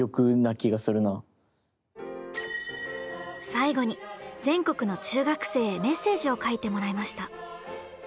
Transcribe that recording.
最後に全国の中学生へメッセージを書いてもらいました。